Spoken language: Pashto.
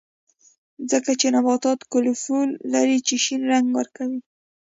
ځکه چې نباتات کلوروفیل لري چې شین رنګ ورکوي